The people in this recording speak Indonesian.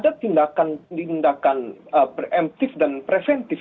ada tindakan preemptif dan preventif